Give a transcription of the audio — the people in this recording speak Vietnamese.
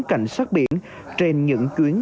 cảnh sát biển trên những chuyến